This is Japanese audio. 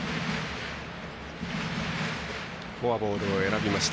フォアボールを選びました。